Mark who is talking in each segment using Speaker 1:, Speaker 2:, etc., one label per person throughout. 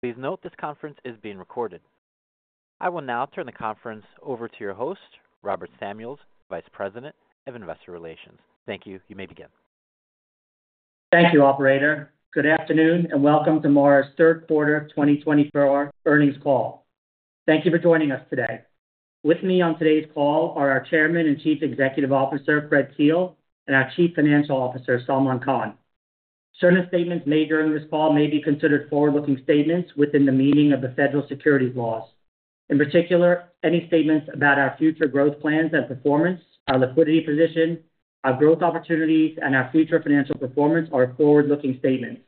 Speaker 1: Please note this conference is being recorded. I will now turn the conference over to your host, Robert Samuels, Vice President of Investor Relations. Thank you. You may begin.
Speaker 2: Thank you, Operator. Good afternoon and Welcome to MARA's Q3 2024 Earnings Call. Thank you for joining us today. With me on today's call are our Chairman and Chief Executive Officer, Fred Thiel, and our Chief Financial Officer, Salman Khan. Certain statements made during this call may be considered forward-looking statements within the meaning of the federal securities laws. In particular, any statements about our future growth plans and performance, our liquidity position, our growth opportunities, and our future financial performance are forward-looking statements.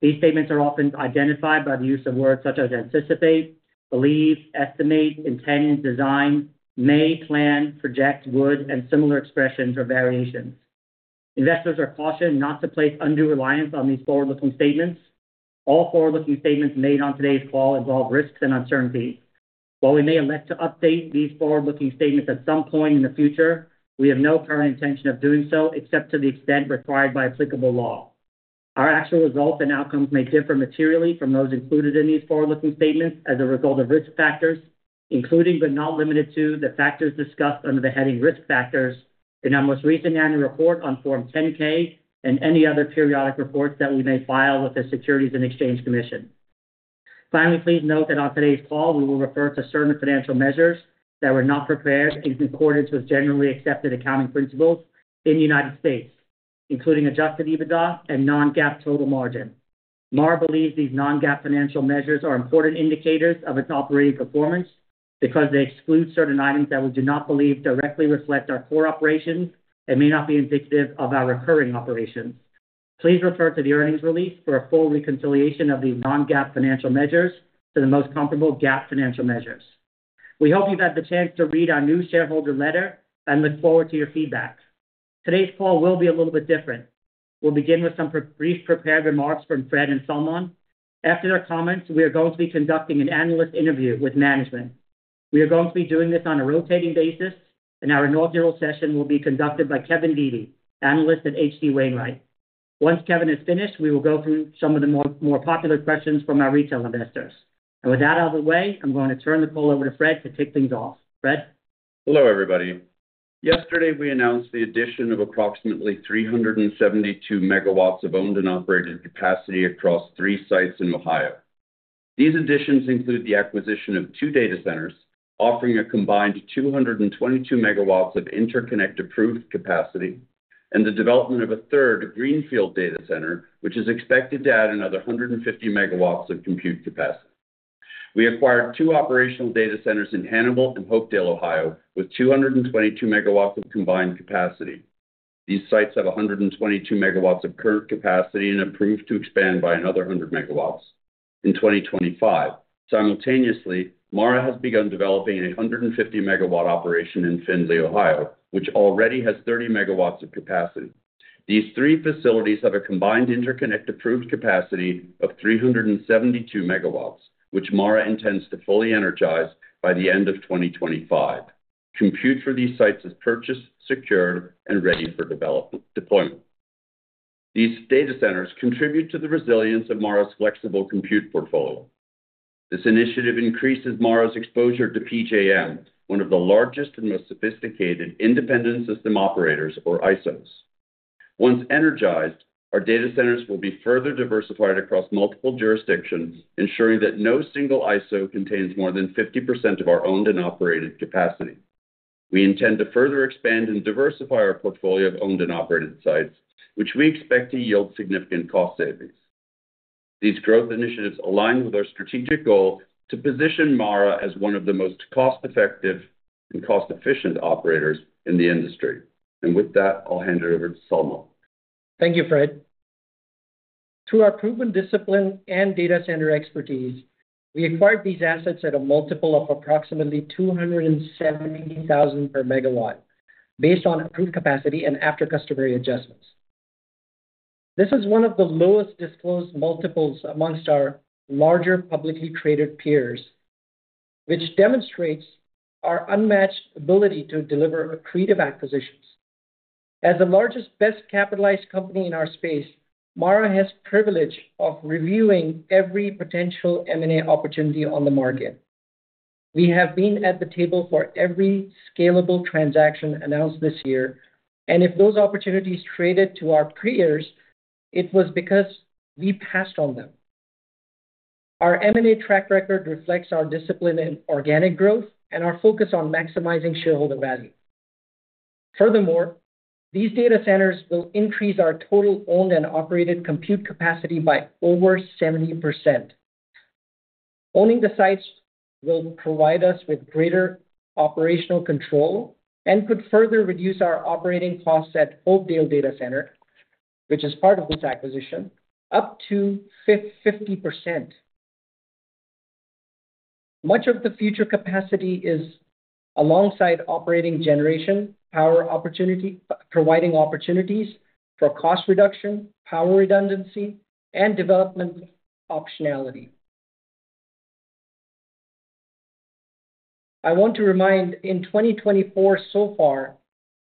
Speaker 2: These statements are often identified by the use of words such as anticipate, believe, estimate, intend, design, may, plan, project, would, and similar expressions or variations. Investors are cautioned not to place undue reliance on these forward-looking statements. All forward-looking statements made on today's call involve risks and uncertainties. While we may elect to update these forward-looking statements at some point in the future, we have no current intention of doing so except to the extent required by applicable law. Our actual results and outcomes may differ materially from those included in these forward-looking statements as a result of risk factors, including but not limited to the factors discussed under the heading Risk Factors in our most recent annual report on Form 10-K and any other periodic reports that we may file with the Securities and Exchange Commission. Finally, please note that on today's call we will refer to certain financial measures that were not prepared in accordance with Generally Accepted Accounting Principles in the United States, including Adjusted EBITDA and non-GAAP total margin. MARA believes these non-GAAP financial measures are important indicators of its operating performance because they exclude certain items that we do not believe directly reflect our core operations and may not be indicative of our recurring operations. Please refer to the earnings release for a full reconciliation of these non-GAAP financial measures to the most comparable GAAP financial measures. We hope you've had the chance to read our new shareholder letter and look forward to your feedback. Today's call will be a little bit different. We'll begin with some brief prepared remarks from Fred and Salman. After their comments, we are going to be conducting an analyst interview with management. We are going to be doing this on a rotating basis, and our inaugural session will be conducted by Kevin Dede, analyst at H.C. Wainwright & Co. Once Kevin has finished, we will go through some of the more popular questions from our retail investors. And with that out of the way, I'm going to turn the call over to Fred to kick things off. Fred.
Speaker 3: Hello, everybody. Yesterday, we announced the addition of approximately 372 megawatts of owned and operated capacity across three sites in Ohio. These additions include the acquisition of two data centers, offering a combined 222 megawatts of interconnect approved capacity, and the development of a third greenfield data center, which is expected to add another 150 megawatts of compute capacity. We acquired two operational data centers in Hannibal and Hopedale, Ohio, with 222 megawatts of combined capacity. These sites have 122 megawatts of current capacity and are approved to expand by another 100 megawatts in 2025. Simultaneously, MARA has begun developing a 150-megawatt operation in Findlay, Ohio, which already has 30 megawatts of capacity. These three facilities have a combined interconnect approved capacity of 372 megawatts, which MARA intends to fully energize by the end of 2025. Compute for these sites is purchased, secured, and ready for deployment. These data centers contribute to the resilience of MARA's flexible compute portfolio. This initiative increases MARA's exposure to PJM, one of the largest and most sophisticated independent system operators, or ISOs. Once energized, our data centers will be further diversified across multiple jurisdictions, ensuring that no single ISO contains more than 50% of our owned and operated capacity. We intend to further expand and diversify our portfolio of owned and operated sites, which we expect to yield significant cost savings. These growth initiatives align with our strategic goal to position MARA as one of the most cost-effective and cost-efficient operators in the industry, and with that, I'll hand it over to Salman.
Speaker 4: Thank you, Fred. Through our proven discipline and data center expertise, we acquired these assets at a multiple of approximately $270,000 per megawatt, based on approved capacity and after customary adjustments. This is one of the lowest disclosed multiples amongst our larger publicly traded peers, which demonstrates our unmatched ability to deliver accretive acquisitions. As the largest best-capitalized company in our space, MARA has the privilege of reviewing every potential M&A opportunity on the market. We have been at the table for every scalable transaction announced this year, and if those opportunities traded to our peers, it was because we passed on them. Our M&A track record reflects our discipline in organic growth and our focus on maximizing shareholder value. Furthermore, these data centers will increase our total owned and operated compute capacity by over 70%. Owning the sites will provide us with greater operational control and could further reduce our operating costs at Hopedale Data Center, which is part of this acquisition, up to 50%. Much of the future capacity is alongside operating generation power opportunity providing opportunities for cost reduction, power redundancy, and development optionality. I want to remind, in 2024 so far,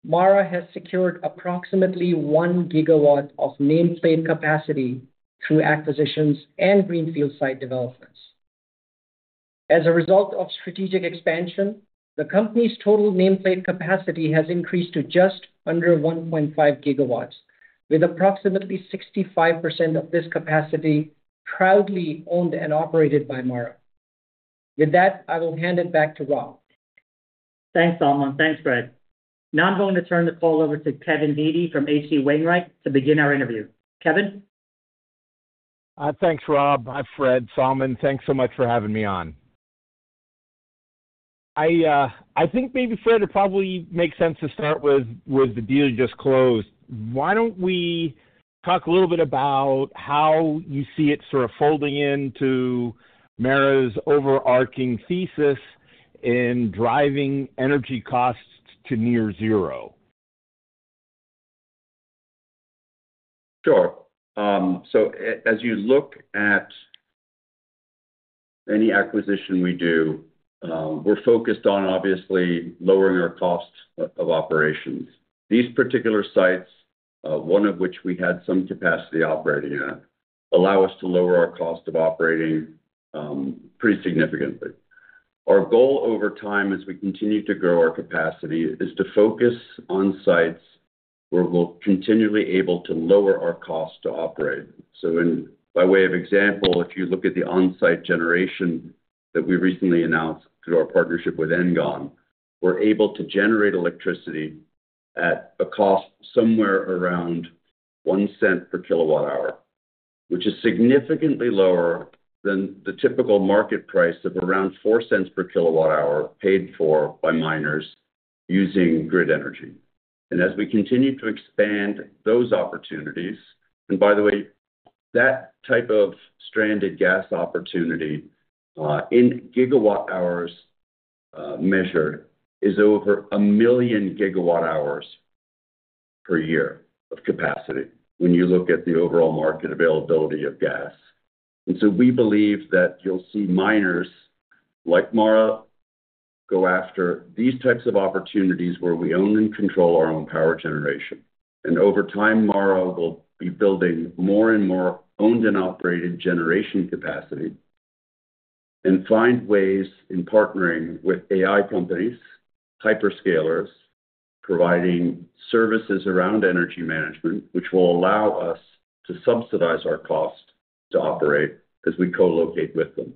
Speaker 4: MARA has secured approximately one gigawatt of nameplate capacity through acquisitions and Greenfield site developments. As a result of strategic expansion, the company's total nameplate capacity has increased to just under 1.5 gigawatts, with approximately 65% of this capacity proudly owned and operated by MARA. With that, I will hand it back to Rob.
Speaker 2: Thanks, Salman. Thanks, Fred. Now I'm going to turn the call over to Kevin Dede from H.C. Wainwright to begin our interview. Kevin.
Speaker 5: Thanks, Rob. Hi Fred Thiel. Thanks so much for having me on. I think maybe, Fred, it probably makes sense to start with the deal you just closed. Why don't we talk a little bit about how you see it sort of folding into MARA's overarching thesis in driving energy costs to near zero?
Speaker 3: Sure. So as you look at any acquisition we do, we're focused on, obviously, lowering our costs of operations. These particular sites, one of which we had some capacity operating at, allow us to lower our cost of operating pretty significantly. Our goal over time as we continue to grow our capacity is to focus on sites where we'll continually be able to lower our cost to operate. So by way of example, if you look at the on-site generation that we recently announced through our partnership with Andion, we're able to generate electricity at a cost somewhere around $0.01 per kilowatt hour, which is significantly lower than the typical market price of around $0.04 per kilowatt hour paid for by miners using grid energy. And as we continue to expand those opportunities, and by the way, that type of stranded gas opportunity in gigawatt hours measured is over a million gigawatt hours per year of capacity when you look at the overall market availability of gas. And so we believe that you'll see miners like MARA go after these types of opportunities where we own and control our own power generation. And over time, MARA will be building more and more owned and operated generation capacity and find ways in partnering with AI companies, hyperscalers providing services around energy management, which will allow us to subsidize our cost to operate as we co-locate with them.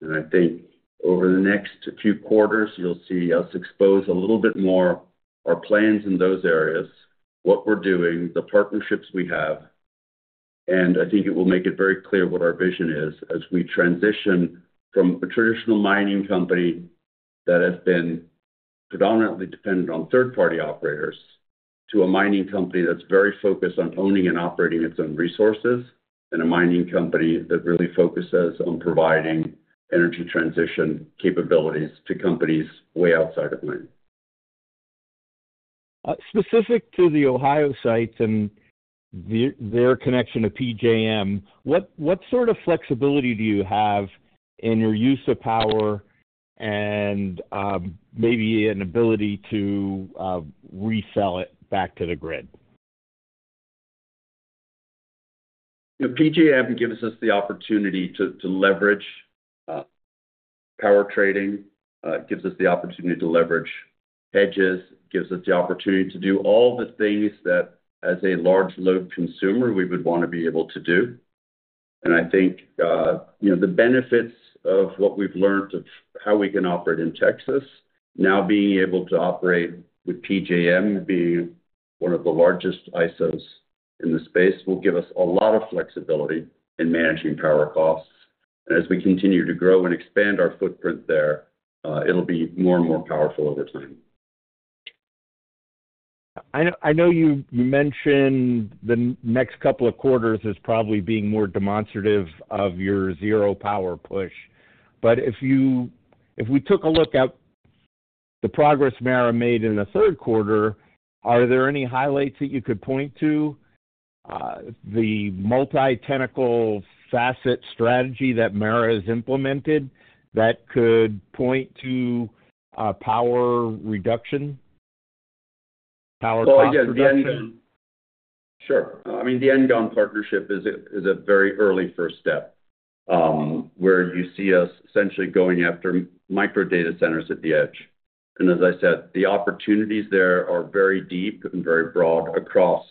Speaker 3: And I think over the next few quarters, you'll see us expose a little bit more our plans in those areas, what we're doing, the partnerships we have. I think it will make it very clear what our vision is as we transition from a traditional mining company that has been predominantly dependent on third-party operators to a mining company that's very focused on owning and operating its own resources and a mining company that really focuses on providing energy transition capabilities to companies way outside of mining.
Speaker 5: Specific to the Ohio sites and their connection to PJM, what sort of flexibility do you have in your use of power and maybe an ability to resell it back to the grid?
Speaker 3: PJM gives us the opportunity to leverage power trading. It gives us the opportunity to leverage hedges. It gives us the opportunity to do all the things that, as a large load consumer, we would want to be able to do. And I think the benefits of what we've learned of how we can operate in Texas, now being able to operate with PJM being one of the largest ISOs in the space, will give us a lot of flexibility in managing power costs. And as we continue to grow and expand our footprint there, it'll be more and more powerful over time.
Speaker 5: I know you mentioned the next couple of quarters is probably being more demonstrative of your zero power push. But if we took a look at the progress Marathon made in the Q3, are there any highlights that you could point to? The multi-faceted strategy that Marathon has implemented that could point to power cost reduction?
Speaker 3: Sure. Andionpartnership is a very early first step where you see us essentially going after micro data centers at the edge. And as I said, the opportunities there are very deep and very broad across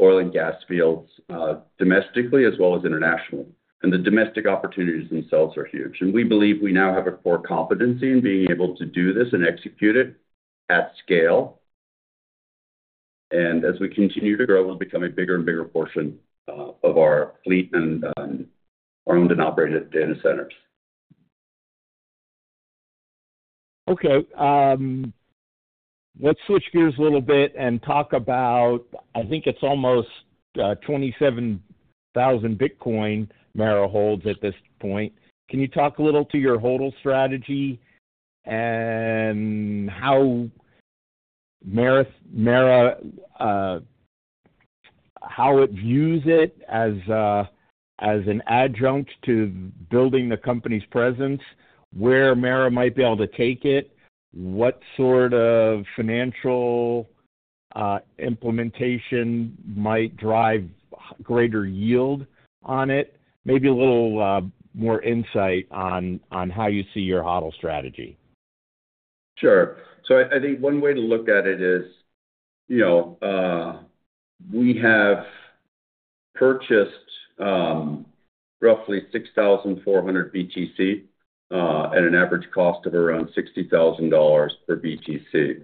Speaker 3: oil and gas fields domestically as well as internationally. And the domestic opportunities themselves are huge. And we believe we now have a core competency in being able to do this and execute it at scale. And as we continue to grow, we'll become a bigger and bigger portion of our fleet and our owned and operated data centers.
Speaker 5: Okay. Let's switch gears a little bit and talk about, I think it's almost 27,000 Bitcoin MARA holds at this point. Can you talk a little to your holding strategy and how MARA views it as an adjunct to building the company's presence, where MARA might be able to take it, what sort of financial implementation might drive greater yield on it? Maybe a little more insight on how you see your HODL strategy.
Speaker 3: Sure. So I think one way to look at it is we have purchased roughly 6,400 BTC at an average cost of around $60,000 per BTC.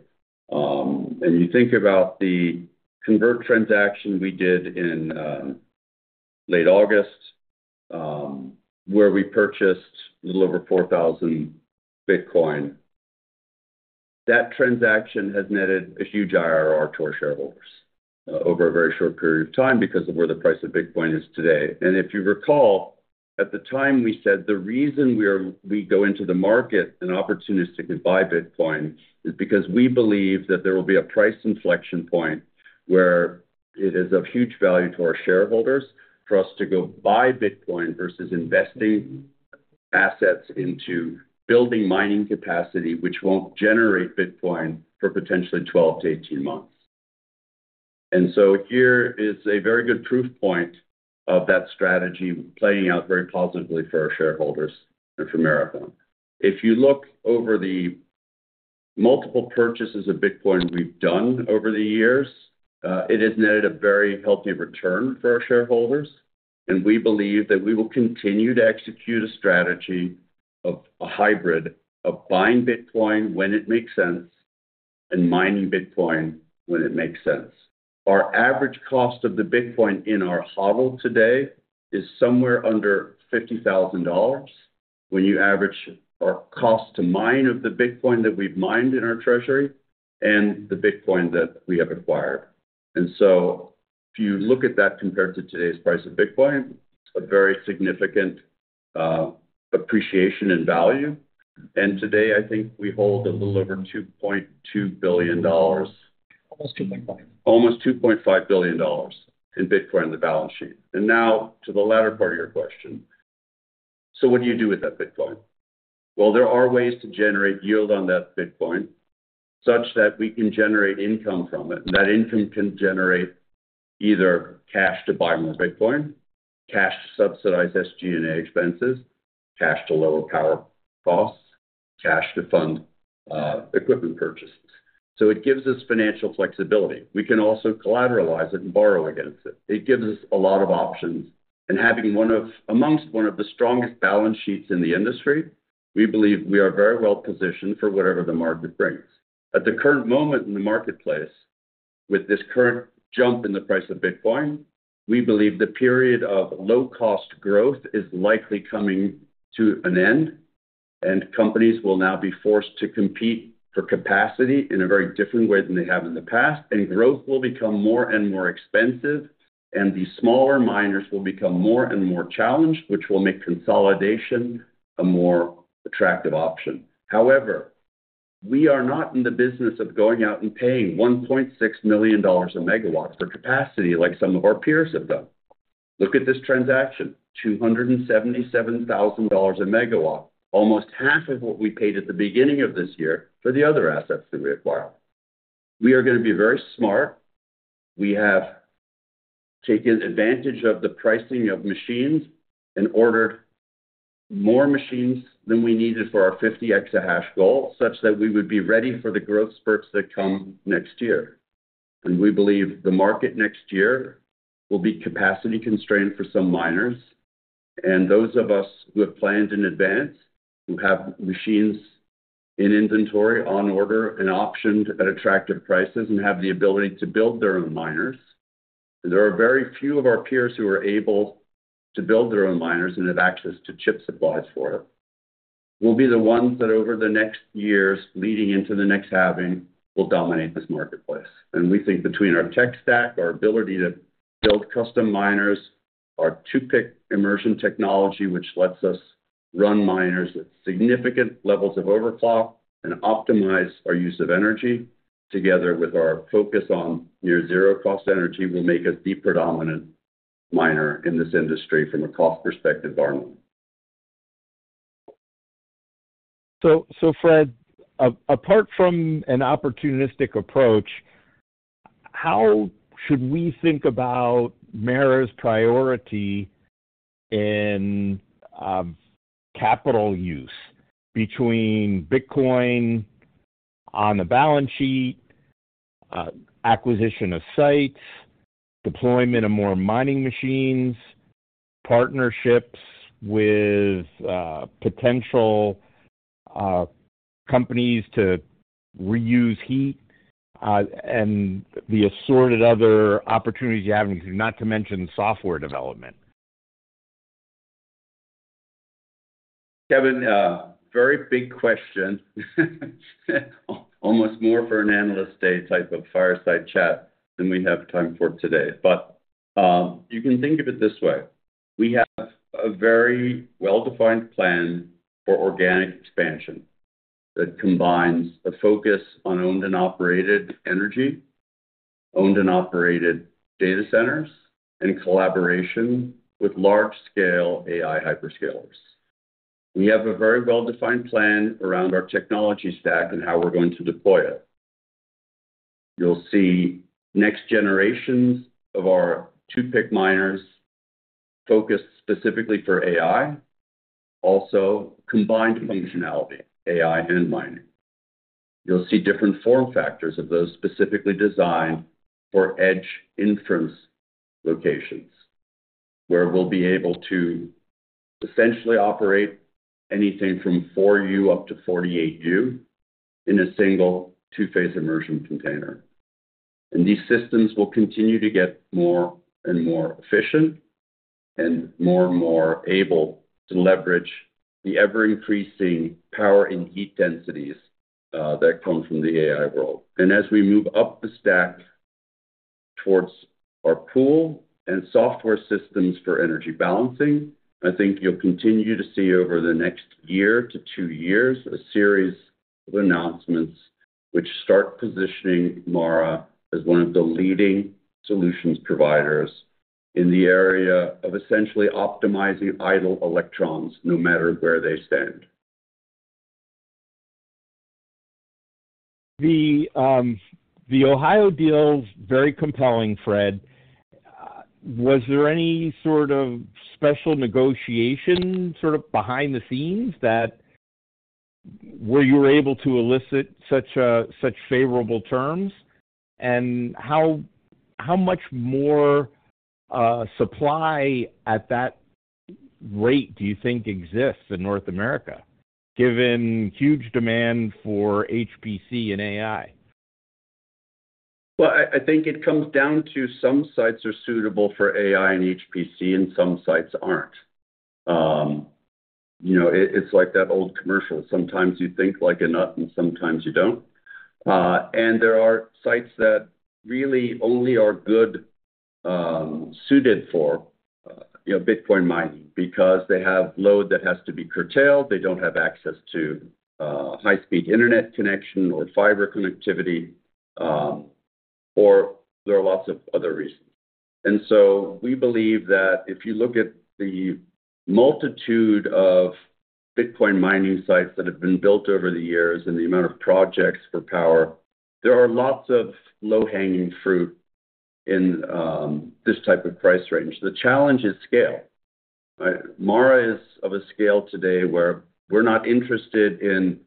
Speaker 3: And you think about the convertible transaction we did in late August where we purchased a little over 4,000 Bitcoin. That transaction has netted a huge IRR to our shareholders over a very short period of time because of where the price of Bitcoin is today. And if you recall, at the time we said the reason we go into the market and opportunistically buy Bitcoin is because we believe that there will be a price inflection point where it is of huge value to our shareholders for us to go buy Bitcoin versus investing assets into building mining capacity, which won't generate Bitcoin for potentially 12 to 18 months. And so here is a very good proof point of that strategy playing out very positively for our shareholders and for Marathon. If you look over the multiple purchases of Bitcoin we've done over the years, it has netted a very healthy return for our shareholders. And we believe that we will continue to execute a strategy of a hybrid of buying Bitcoin when it makes sense and mining Bitcoin when it makes sense. Our average cost of the Bitcoin in our HODL today is somewhere under $50,000 when you average our cost to mine of the Bitcoin that we've mined in our treasury and the Bitcoin that we have acquired. And so if you look at that compared to today's price of Bitcoin, it's a very significant appreciation in value. And today, I think we hold a little over $2.2 billion.
Speaker 4: Almost 2.5.
Speaker 3: Almost $2.5 billion in Bitcoin on the balance sheet. And now to the latter part of your question. So what do you do with that Bitcoin? Well, there are ways to generate yield on that Bitcoin such that we can generate income from it. And that income can generate either cash to buy more Bitcoin, cash to subsidize SG&A expenses, cash to lower power costs, cash to fund equipment purchases. So it gives us financial flexibility. We can also collateralize it and borrow against it. It gives us a lot of options. And having amongst one of the strongest balance sheets in the industry, we believe we are very well positioned for whatever the market brings. At the current moment in the marketplace, with this current jump in the price of Bitcoin, we believe the period of low-cost growth is likely coming to an end. And companies will now be forced to compete for capacity in a very different way than they have in the past. And growth will become more and more expensive. And the smaller miners will become more and more challenged, which will make consolidation a more attractive option. However, we are not in the business of going out and paying $1.6 million a megawatt for capacity like some of our peers have done. Look at this transaction: $277,000 a megawatt, almost half of what we paid at the beginning of this year for the other assets that we acquired. We are going to be very smart. We have taken advantage of the pricing of machines and ordered more machines than we needed for our 50 exahash goal such that we would be ready for the growth spurts that come next year. We believe the market next year will be capacity constrained for some miners. Those of us who have planned in advance, who have machines in inventory, on order, and optioned at attractive prices, and have the ability to build their own miners, and there are very few of our peers who are able to build their own miners and have access to chip supplies for it, will be the ones that over the next years, leading into the next halving, will dominate this marketplace. We think between our tech stack, our ability to build custom miners, our 2PIC immersion technology, which lets us run miners at significant levels of overclock and optimize our use of energy, together with our focus on near zero cost energy, will make us the predominant miner in this industry from a cost perspective advantage.
Speaker 5: So Fred, apart from an opportunistic approach, how should we think about MARA's priority in capital use between Bitcoin on the balance sheet, acquisition of sites, deployment of more mining machines, partnerships with potential companies to reuse heat, and the assorted other opportunities you have, not to mention software development?
Speaker 3: Kevin, very big question. Almost more for an analyst day type of fireside chat than we have time for today. But you can think of it this way. We have a very well-defined plan for organic expansion that combines a focus on owned and operated energy, owned and operated data centers, and collaboration with large-scale AI hyperscalers. We have a very well-defined plan around our technology stack and how we're going to deploy it. You'll see next generations of our 2PIC miners focused specifically for AI, also combined functionality, AI and mining. You'll see different form factors of those specifically designed for edge inference locations where we'll be able to essentially operate anything from 4U up to 48U in a single two-phase immersion container. And these systems will continue to get more and more efficient and more and more able to leverage the ever-increasing power and heat densities that come from the AI world. And as we move up the stack towards our pool and software systems for energy balancing, I think you'll continue to see over the next year to two years a series of announcements which start positioning MARA as one of the leading solutions providers in the area of essentially optimizing idle electrons no matter where they stand.
Speaker 5: The Ohio deal is very compelling, Fred. Was there any sort of special negotiation sort of behind the scenes where you were able to elicit such favorable terms? And how much more supply at that rate do you think exists in North America given huge demand for HPC and AI?
Speaker 3: I think it comes down to some sites are suitable for AI and HPC and some sites aren't. It's like that old commercial. Sometimes you think like a nut and sometimes you don't. And there are sites that really only are good suited for Bitcoin mining because they have load that has to be curtailed. They don't have access to high-speed internet connection or fiber connectivity, or there are lots of other reasons. And so we believe that if you look at the multitude of Bitcoin mining sites that have been built over the years and the amount of projects for power, there are lots of low-hanging fruit in this type of price range. The challenge is scale. MARA is of a scale today where we're not interested in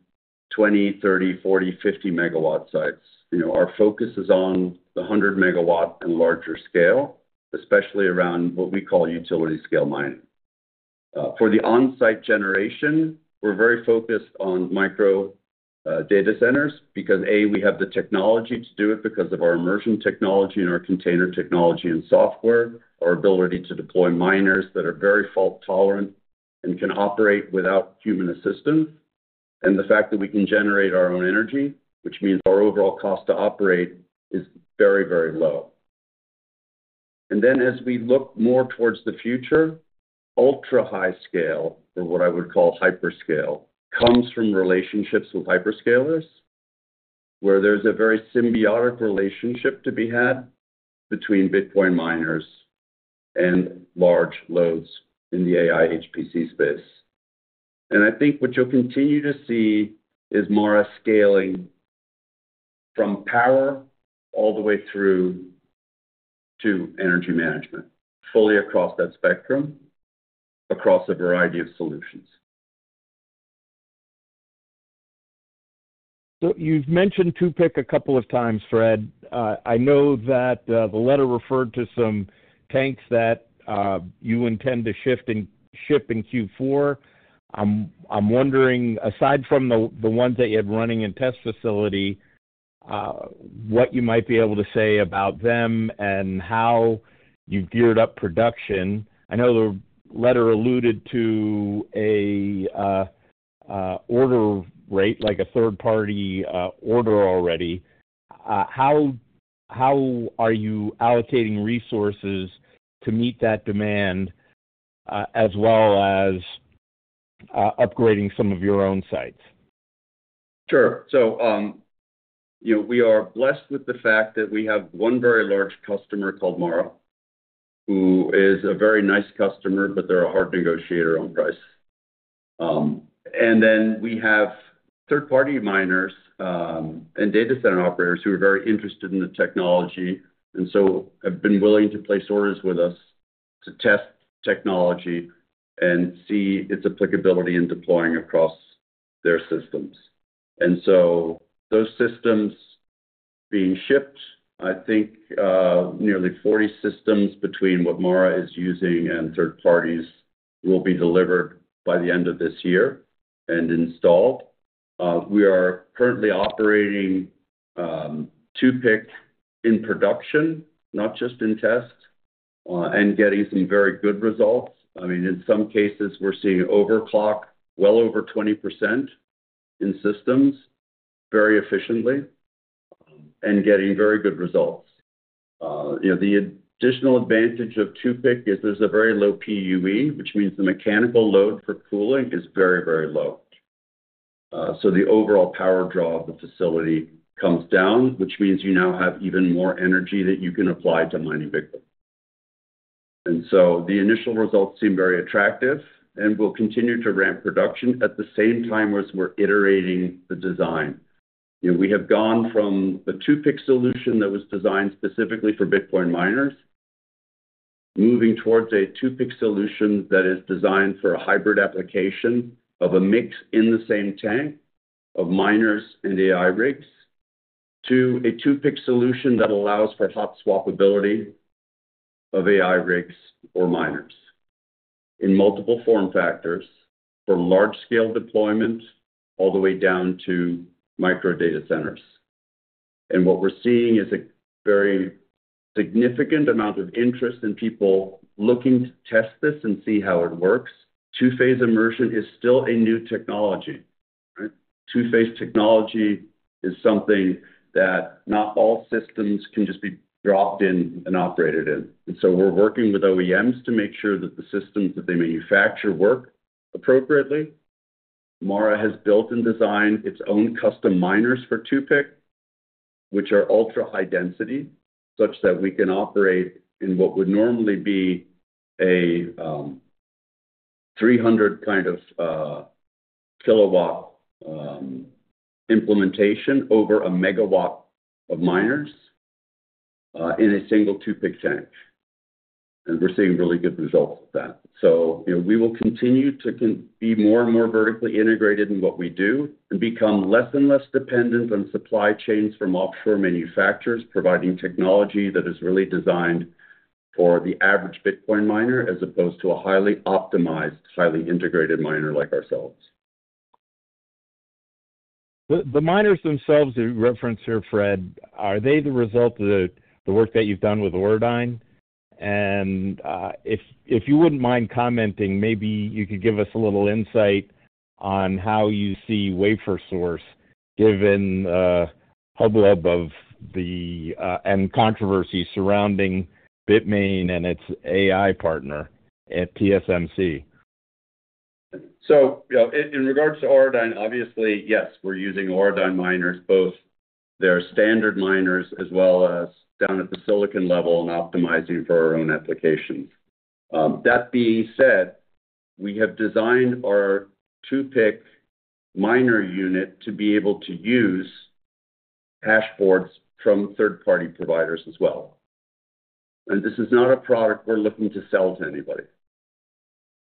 Speaker 3: 20, 30, 40, 50 megawatt sites. Our focus is on the 100-megawatt and larger scale, especially around what we call utility-scale mining. For the on-site generation, we're very focused on micro data centers because, A, we have the technology to do it because of our immersion technology and our container technology and software, our ability to deploy miners that are very fault-tolerant and can operate without human assistance, and the fact that we can generate our own energy, which means our overall cost to operate is very, very low, and then as we look more towards the future, ultra-high scale, or what I would call hyperscale, comes from relationships with hyperscalers where there's a very symbiotic relationship to be had between Bitcoin miners and large loads in the AI HPC space. I think what you'll continue to see is MARA scaling from power all the way through to energy management, fully across that spectrum, across a variety of solutions.
Speaker 5: You've mentioned 2PIC a couple of times, Fred. I know that the letter referred to some tanks that you intend to ship in Q4. I'm wondering, aside from the ones that you had running in test facility, what you might be able to say about them and how you've geared up production. I know the letter alluded to an order rate, like a third-party order already. How are you allocating resources to meet that demand as well as upgrading some of your own sites?
Speaker 3: Sure. So we are blessed with the fact that we have one very large customer called MARA, who is a very nice customer, but they're a hard negotiator on price. And then we have third-party miners and data center operators who are very interested in the technology and so have been willing to place orders with us to test technology and see its applicability in deploying across their systems. And so those systems being shipped, I think nearly 40 systems between what MARA is using and third parties will be delivered by the end of this year and installed. We are currently operating 2PIC in production, not just in test, and getting some very good results. I mean, in some cases, we're seeing overclock well over 20% in systems very efficiently and getting very good results. The additional advantage of 2PIC is there's a very low PUE, which means the mechanical load for cooling is very, very low. So the overall power draw of the facility comes down, which means you now have even more energy that you can apply to mining Bitcoin, and so the initial results seem very attractive and will continue to ramp production at the same time as we're iterating the design. We have gone from a 2PIC solution that was designed specifically for Bitcoin miners, moving towards a 2PIC solution that is designed for a hybrid application of a mix in the same tank of miners and AI rigs to a 2PIC solution that allows for hot swap ability of AI rigs or miners in multiple form factors from large-scale deployment all the way down to micro data centers. What we're seeing is a very significant amount of interest in people looking to test this and see how it works. Two-phase immersion is still a new technology. Two-phase technology is something that not all systems can just be dropped in and operated in. We're working with OEMs to make sure that the systems that they manufacture work appropriately. MARA has built and designed its own custom miners for 2PIC, which are ultra-high density such that we can operate in what would normally be a 300-kilowatt implementation over 1 megawatt of miners in a single 2PIC tank. We're seeing really good results with that. So we will continue to be more and more vertically integrated in what we do and become less and less dependent on supply chains from offshore manufacturers providing technology that is really designed for the average Bitcoin miner as opposed to a highly optimized, highly integrated miner like ourselves.
Speaker 5: The miners themselves you referenced here, Fred, are they the result of the work that you've done with Auradine? And if you wouldn't mind commenting, maybe you could give us a little insight on how you see wafer sourcing given the hubbub and controversy surrounding Bitmain and its AI partner at TSMC?
Speaker 3: In regards to Auradine, obviously, yes, we're using Auradine miners, both their standard miners as well as down at the silicon level and optimizing for our own applications. That being said, we have designed our 2PIC miner unit to be able to use hashboards from third-party providers as well. And this is not a product we're looking to sell to anybody.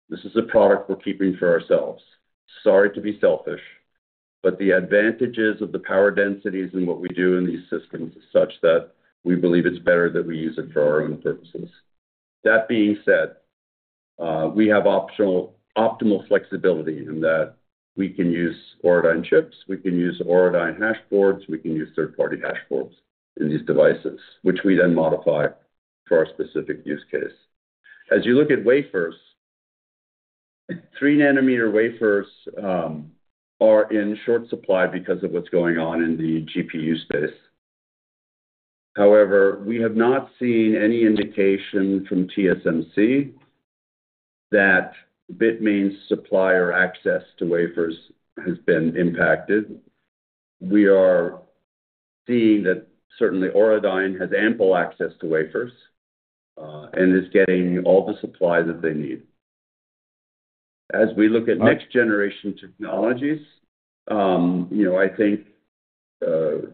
Speaker 3: This is a product we're keeping for ourselves. Sorry to be selfish, but the advantages of the power densities and what we do in these systems is such that we believe it's better that we use it for our own purposes. That being said, we have optimal flexibility in that we can use Auradine chips, we can use Auradine hashboards, we can use third-party hashboards in these devices, which we then modify for our specific use case. As you look at wafers, three-nanometer wafers are in short supply because of what's going on in the GPU space. However, we have not seen any indication from TSMC that Bitmain's supplier access to wafers has been impacted. We are seeing that certainly Auradine has ample access to wafers and is getting all the supply that they need. As we look at next generation technologies, I think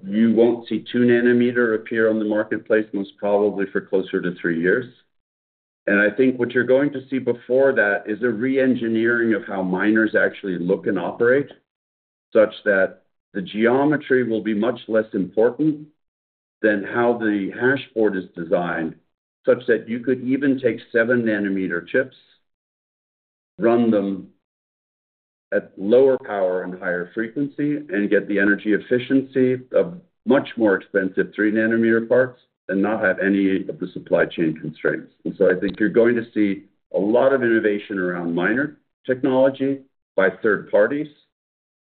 Speaker 3: you won't see two-nanometer appear on the marketplace most probably for closer to three years. And I think what you're going to see before that is a re-engineering of how miners actually look and operate such that the geometry will be much less important than how the hashboard is designed such that you could even take seven-nanometer chips, run them at lower power and higher frequency, and get the energy efficiency of much more expensive three-nanometer parts and not have any of the supply chain constraints. And so I think you're going to see a lot of innovation around miner technology by third parties,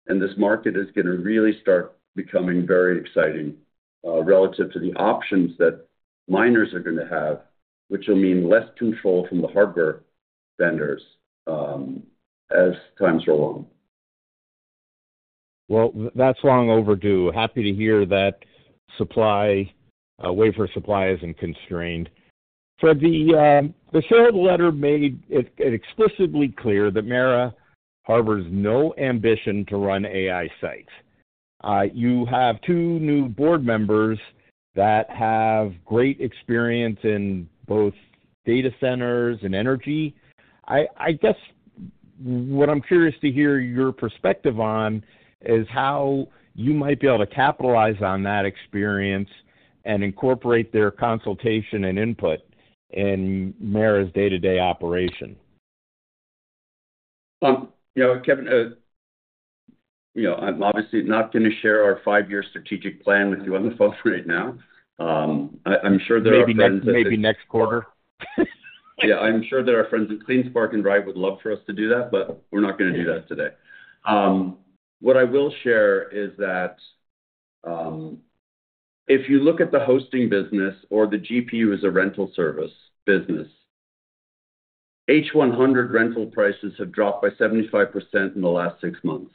Speaker 3: and this market is going to really start becoming very exciting relative to the options that miners are going to have, which will mean less control from the hardware vendors as times roll on.
Speaker 5: That's long overdue. Happy to hear that wafer supply isn't constrained. Fred, the sales letter made it explicitly clear that MARA harbors no ambition to run AI sites. You have two new board members that have great experience in both data centers and energy. I guess what I'm curious to hear your perspective on is how you might be able to capitalize on that experience and incorporate their consultation and input in MARA's day-to-day operation.
Speaker 3: Kevin, I'm obviously not going to share our five-year strategic plan with you on the phone right now. I'm sure there are friends that.
Speaker 5: Maybe next quarter. Yeah. I'm sure there are friends at CleanSpark and Riot would love for us to do that, but we're not going to do that today. What I will share is that if you look at the hosting business or the GPU as a rental service business, H100 rental prices have dropped by 75% in the last six months.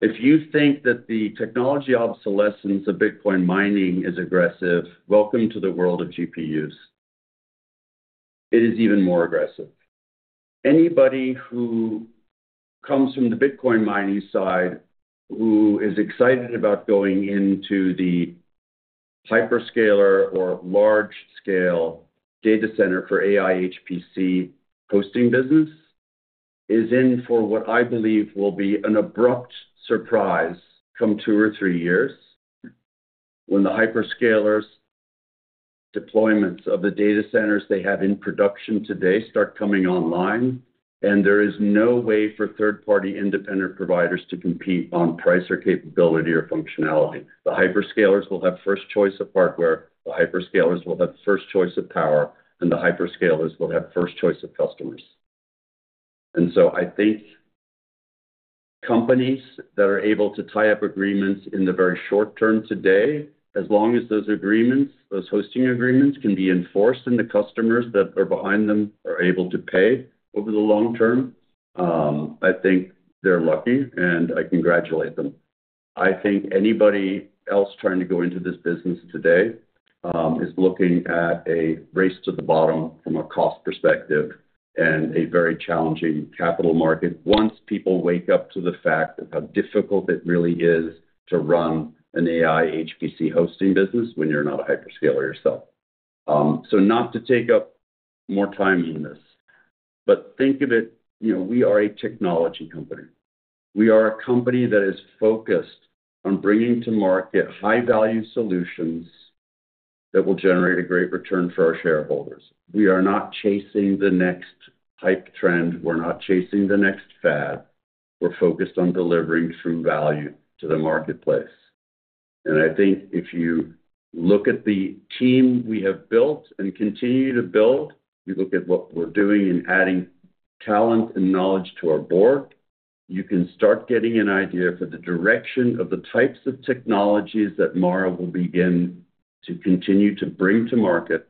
Speaker 5: If you think that the technology obsolescence of Bitcoin mining is aggressive, welcome to the world of GPUs. It is even more aggressive. Anybody who comes from the Bitcoin mining side who is excited about going into the hyperscaler or large-scale data center for AI HPC hosting business is in for what I believe will be an abrupt surprise come two or three years when the hyperscalers' deployments of the data centers they have in production today start coming online and there is no way for third-party independent providers to compete on price or capability or functionality. The hyperscalers will have first choice of hardware, the hyperscalers will have first choice of power, and the hyperscalers will have first choice of customers. And so I think companies that are able to tie up agreements in the very short term today, as long as those hosting agreements can be enforced and the customers that are behind them are able to pay over the long term, I think they're lucky and I congratulate them. I think anybody else trying to go into this business today is looking at a race to the bottom from a cost perspective and a very challenging capital market once people wake up to the fact of how difficult it really is to run an AI HPC hosting business when you're not a hyperscaler yourself. So not to take up more time on this, but think of it, we are a technology company. We are a company that is focused on bringing to market high-value solutions that will generate a great return for our shareholders. We are not chasing the next hype trend. We're not chasing the next fad. We're focused on delivering true value to the marketplace. And I think if you look at the team we have built and continue to build, you look at what we're doing in adding talent and knowledge to our board, you can start getting an idea for the direction of the types of technologies that MARA will begin to continue to bring to market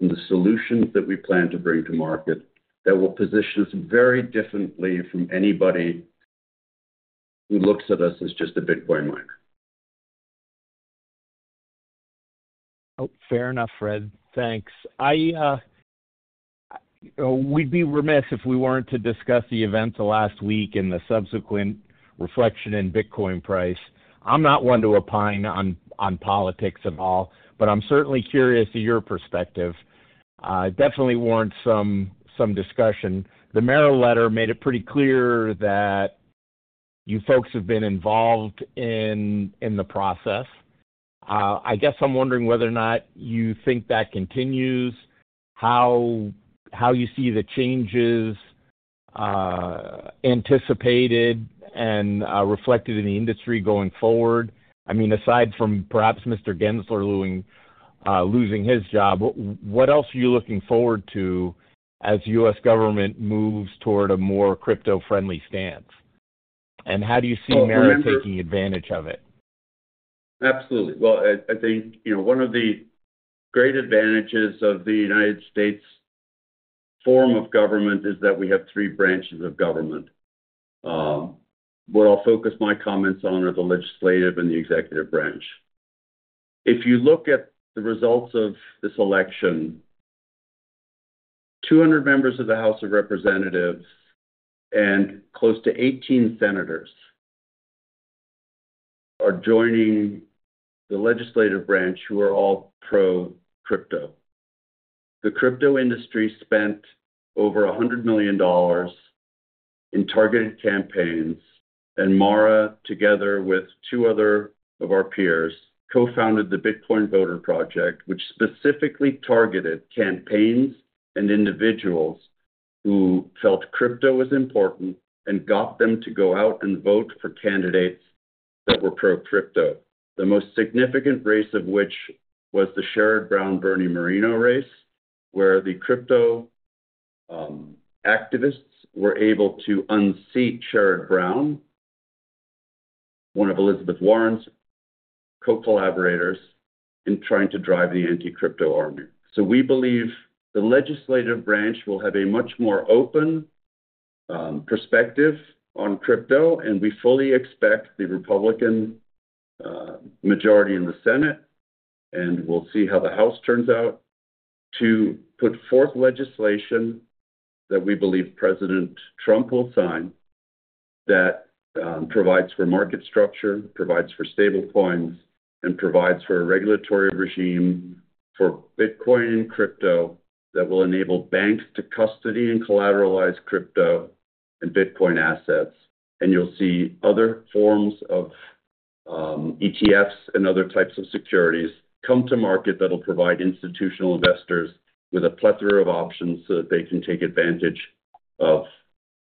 Speaker 5: and the solutions that we plan to bring to market that will position us very differently from anybody who looks at us as just a Bitcoin miner. Fair enough, Fred. Thanks. We'd be remiss if we weren't to discuss the events of last week and the subsequent reflection in Bitcoin price. I'm not one to opine on politics at all, but I'm certainly curious to your perspective. Definitely warrants some discussion. The MARA letter made it pretty clear that you folks have been involved in the process. I guess I'm wondering whether or not you think that continues, how you see the changes anticipated and reflected in the industry going forward. I mean, aside from perhaps Mr. Gensler losing his job, what else are you looking forward to as the U.S. government moves toward a more crypto-friendly stance? And how do you see MARA taking advantage of it?
Speaker 3: Absolutely. Well, I think one of the great advantages of the United States form of government is that we have three branches of government. What I'll focus my comments on are the legislative and the executive branch. If you look at the results of this election, 200 members of the House of Representatives and close to 18 senators are joining the legislative branch who are all pro-crypto. The crypto industry spent over $100 million in targeted campaigns, and MARA, together with two other of our peers, co-founded the Bitcoin Voter Project, which specifically targeted campaigns and individuals who felt crypto was important and got them to go out and vote for candidates that were pro-crypto, the most significant race of which was the Sherrod Brown, Bernie Moreno race, where the crypto activists were able to unseat Sherrod Brown, one of Elizabeth Warren's co-collaborators, in trying to drive the anti-crypto army. We believe the legislative branch will have a much more open perspective on crypto, and we fully expect the Republican majority in the Senate, and we'll see how the House turns out, to put forth legislation that we believe President Trump will sign that provides for market structure, provides for stablecoins, and provides for a regulatory regime for Bitcoin and crypto that will enable banks to custody and collateralize crypto and Bitcoin assets. You'll see other forms of ETFs and other types of securities come to market that'll provide institutional investors with a plethora of options so that they can take advantage of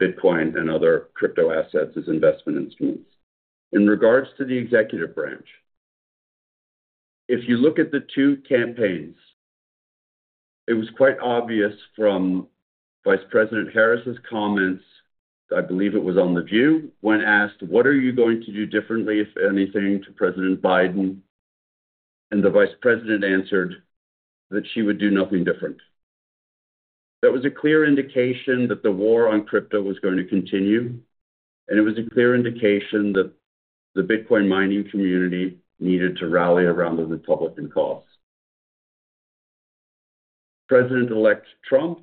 Speaker 3: Bitcoin and other crypto assets as investment instruments. In regards to the executive branch, if you look at the two campaigns, it was quite obvious from Vice President Harris's comments, I believe it was on The View, when asked, "What are you going to do differently, if anything, to President Biden?", and the Vice President answered that she would do nothing different. That was a clear indication that the war on crypto was going to continue, and it was a clear indication that the Bitcoin mining community needed to rally around the Republican cause. President-elect Trump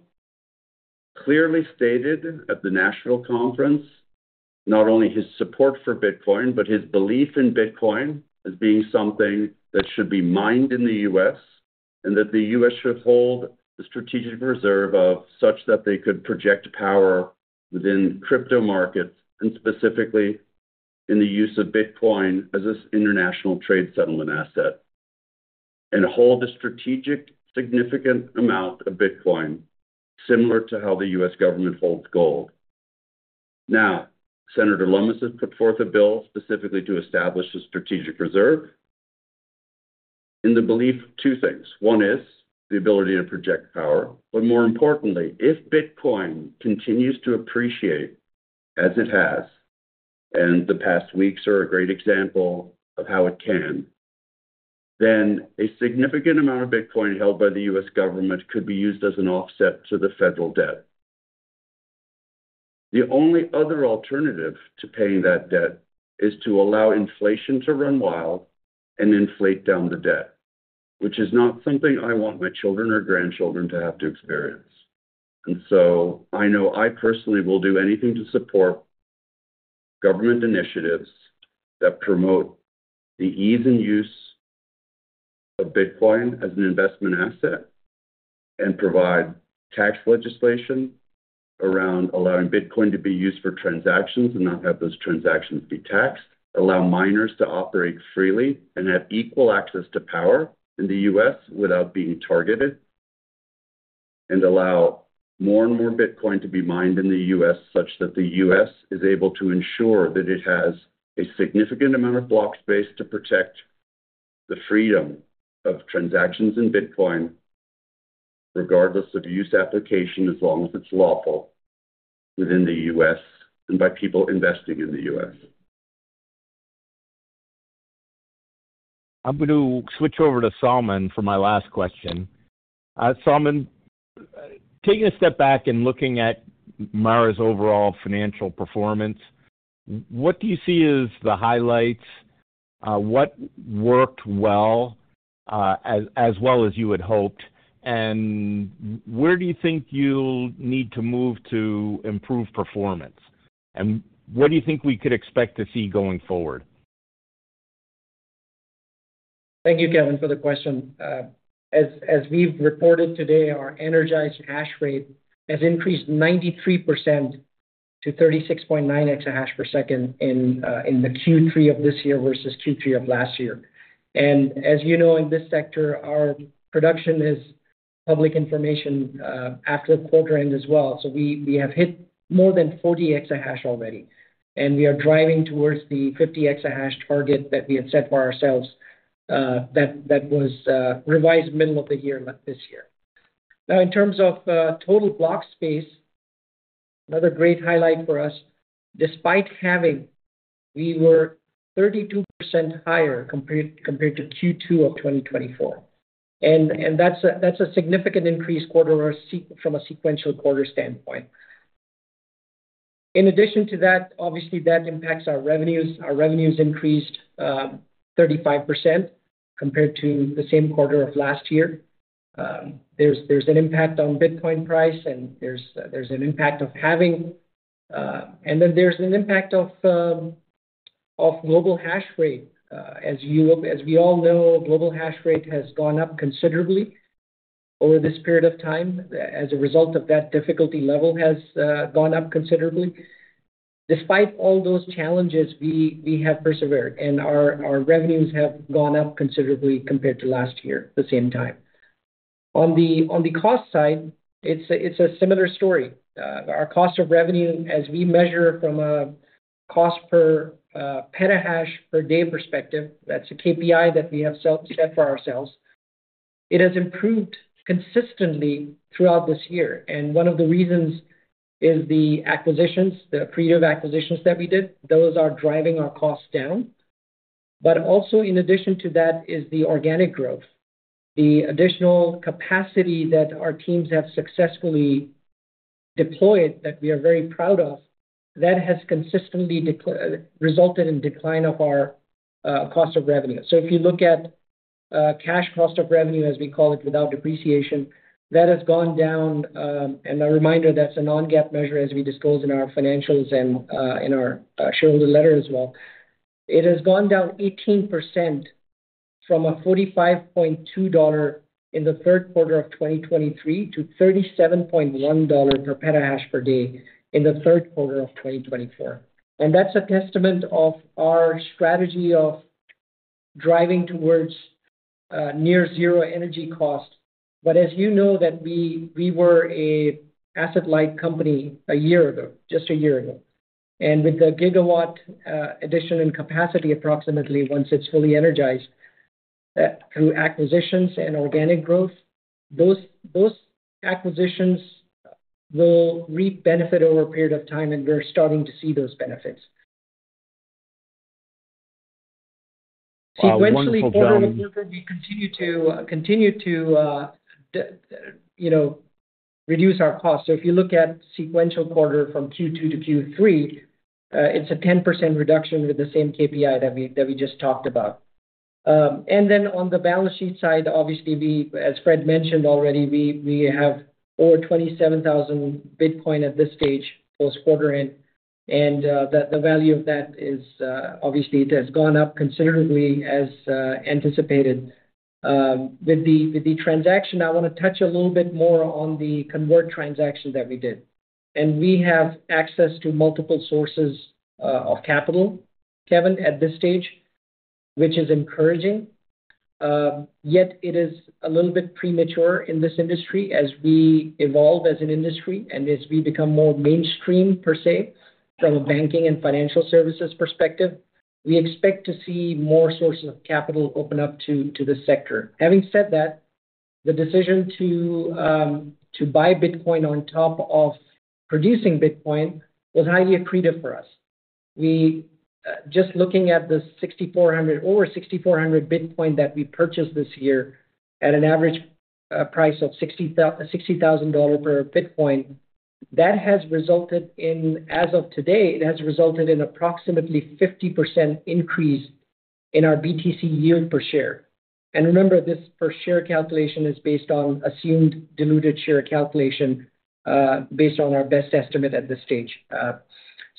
Speaker 3: clearly stated at the national conference not only his support for Bitcoin, but his belief in Bitcoin as being something that should be mined in the U.S. and that the U.S. should hold the strategic reserve of such that they could project power within crypto markets and specifically in the use of Bitcoin as this international trade settlement asset and hold a strategic significant amount of Bitcoin similar to how the U.S. government holds gold. Now, Senator Lummis has put forth a bill specifically to establish a strategic reserve in the belief of two things. One is the ability to project power, but more importantly, if Bitcoin continues to appreciate as it has, and the past weeks are a great example of how it can, then a significant amount of Bitcoin held by the U.S. government could be used as an offset to the federal debt. The only other alternative to paying that debt is to allow inflation to run wild and inflate down the debt, which is not something I want my children or grandchildren to have to experience. And so I know I personally will do anything to support government initiatives that promote the ease in use of Bitcoin as an investment asset and provide tax legislation around allowing Bitcoin to be used for transactions and not have those transactions be taxed, allow miners to operate freely and have equal access to power in the U.S. without being targeted, and allow more and more Bitcoin to be mined in the U.S. such that the U.S. is able to ensure that it has a significant amount of block space to protect the freedom of transactions in Bitcoin regardless of use application as long as it's lawful within the U.S. and by people investing in the U.S.
Speaker 5: I'm going to switch over to Salman for my last question. Salman, taking a step back and looking at MARA's overall financial performance, what do you see as the highlights? What worked well as well as you had hoped? And where do you think you'll need to move to improve performance? And what do you think we could expect to see going forward?
Speaker 4: Thank you, Kevin, for the question. As we've reported today, our energized hash rate has increased 93% to 36.9 exahash per second in the Q3 of this year versus Q3 of last year. And as you know, in this sector, our production is public information after a quarter end as well. So we have hit more than 40 exahash already, and we are driving towards the 50 exahash target that we had set for ourselves that was revised middle of the year this year. Now, in terms of total block space, another great highlight for us, despite halving, we were 32% higher compared to Q2 of 2024. And that's a significant increase from a sequential quarter standpoint. In addition to that, obviously, that impacts our revenues. Our revenues increased 35% compared to the same quarter of last year. There's an impact on Bitcoin price, and there's an impact of halving. And then there's an impact of global hash rate. As we all know, global hash rate has gone up considerably over this period of time. As a result, that difficulty level has gone up considerably. Despite all those challenges, we have persevered, and our revenues have gone up considerably compared to last year at the same time. On the cost side, it's a similar story. Our cost of revenue, as we measure from a cost per petahash per day perspective, that's a KPI that we have set for ourselves. It has improved consistently throughout this year. And one of the reasons is the acquisitions, the creative acquisitions that we did. Those are driving our costs down. But also, in addition to that, is the organic growth. The additional capacity that our teams have successfully deployed that we are very proud of, that has consistently resulted in decline of our cost of revenue. So if you look at cash cost of revenue, as we call it, without depreciation, that has gone down. And a reminder, that's a non-GAAP measure as we disclose in our financials and in our shareholder letter as well. It has gone down 18% from a $45.2 in the Q3 of 2023 to $37.1 per petahash per day in the Q3 of 2024. And that's a testament of our strategy of driving towards near-zero energy cost. But as you know, we were an asset-light company a year ago, just a year ago. With the gigawatt addition in capacity approximately once it's fully energized through acquisitions and organic growth, those acquisitions will reap benefit over a period of time, and we're starting to see those benefits. Sequentially, quarter over quarter, we continue to reduce our cost. So if you look at sequential quarter from Q2 to Q3, it's a 10% reduction with the same KPI that we just talked about. And then on the balance sheet side, obviously, as Fred mentioned already, we have over 27,000 Bitcoin at this stage post-quarter end. And the value of that is obviously, it has gone up considerably as anticipated. With the transaction, I want to touch a little bit more on the convert transaction that we did. And we have access to multiple sources of capital, Kevin, at this stage, which is encouraging. Yet it is a little bit premature in this industry as we evolve as an industry and as we become more mainstream, per se, from a banking and financial services perspective. We expect to see more sources of capital open up to the sector. Having said that, the decision to buy Bitcoin on top of producing Bitcoin was highly accretive for us. Just looking at the 6,400 or 6,400 Bitcoin that we purchased this year at an average price of $60,000 per Bitcoin, that has resulted in, as of today, it has resulted in approximately a 50% increase in our BTC yield per share. And remember, this per share calculation is based on assumed diluted share calculation based on our best estimate at this stage.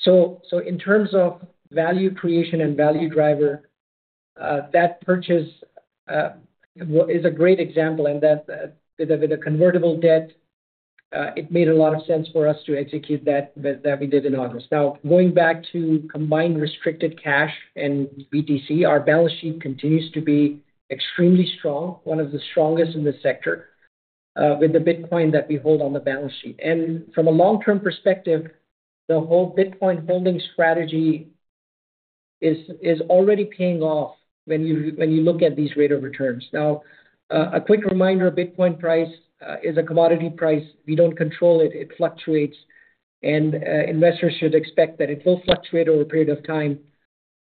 Speaker 4: So in terms of value creation and value driver, that purchase is a great example. With a convertible debt, it made a lot of sense for us to execute that we did in August. Now, going back to combined restricted cash and BTC, our balance sheet continues to be extremely strong, one of the strongest in the sector with the Bitcoin that we hold on the balance sheet. From a long-term perspective, the whole Bitcoin holding strategy is already paying off when you look at these rate of returns. Now, a quick reminder, Bitcoin price is a commodity price. We don't control it. It fluctuates. Investors should expect that it will fluctuate over a period of time.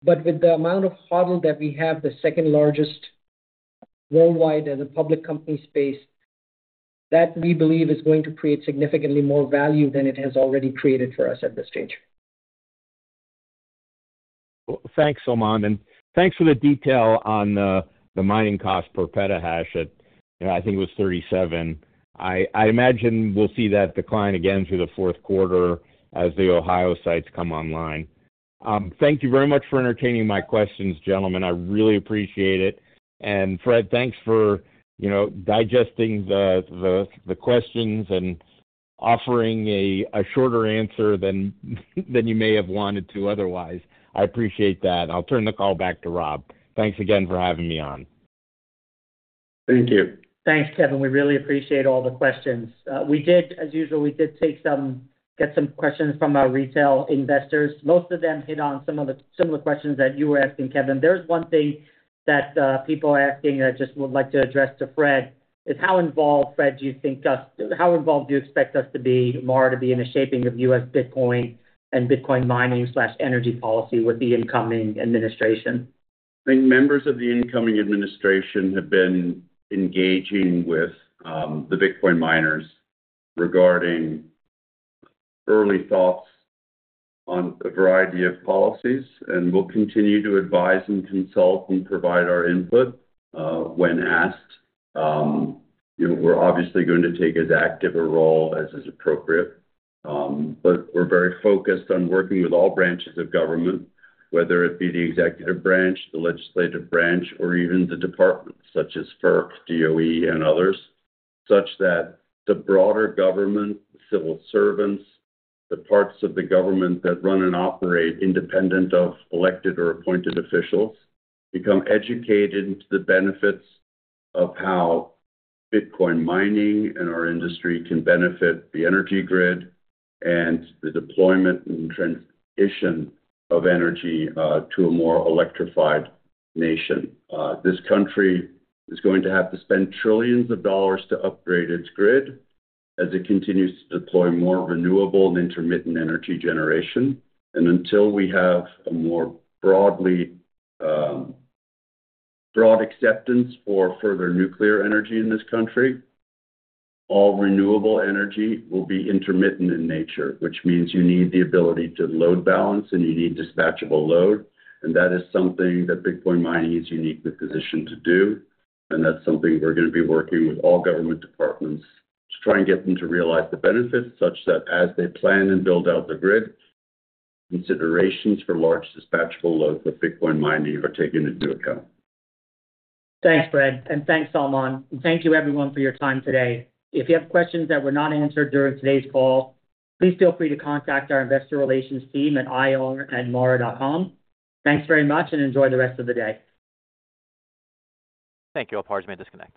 Speaker 4: With the amount of HODL that we have, the second largest worldwide in the public company space, that we believe is going to create significantly more value than it has already created for us at this stage.
Speaker 5: Well, thanks, Salman. And thanks for the detail on the mining cost per petahash. I think it was $37. I imagine we'll see that decline again through the fourth quarter as the Ohio sites come online. Thank you very much for entertaining my questions, gentlemen. I really appreciate it. And Fred, thanks for digesting the questions and offering a shorter answer than you may have wanted to otherwise. I appreciate that. I'll turn the call back to Rob. Thanks again for having me on.
Speaker 3: Thank you.
Speaker 2: Thanks, Kevin. We really appreciate all the questions. As usual, we did take some questions from our retail investors. Most of them hit on some of the similar questions that you were asking, Kevin. There's one thing that people are asking that I just would like to address to Fred: how involved, Fred, do you think we'll be, how involved do you expect us, MARA, to be in the shaping of U.S. Bitcoin and Bitcoin mining/energy policy with the incoming administration?
Speaker 3: I think members of the incoming administration have been engaging with the Bitcoin miners regarding early thoughts on a variety of policies. And we'll continue to advise and consult and provide our input when asked. We're obviously going to take as active a role as is appropriate. But we're very focused on working with all branches of government, whether it be the executive branch, the legislative branch, or even the departments such as FERC, DOE, and others, such that the broader government, the civil servants, the parts of the government that run and operate independent of elected or appointed officials become educated to the benefits of how Bitcoin mining and our industry can benefit the energy grid and the deployment and transition of energy to a more electrified nation. This country is going to have to spend trillions of dollars to upgrade its grid as it continues to deploy more renewable and intermittent energy generation, and until we have a more broad acceptance for further nuclear energy in this country, all renewable energy will be intermittent in nature, which means you need the ability to load balance and you need dispatchable load, and that is something that Bitcoin mining is uniquely positioned to do, and that's something we're going to be working with all government departments to try and get them to realize the benefits such that as they plan and build out the grid, considerations for large dispatchable loads of Bitcoin mining are taken into account.
Speaker 2: Thanks, Fred. And thanks, Salman. And thank you, everyone, for your time today. If you have questions that were not answered during today's call, please feel free to contact our investor relations team at ir@mara.com. Thanks very much, and enjoy the rest of the day. Thank you all for participating.